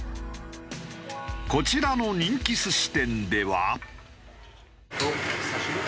こちらの人気寿司店では。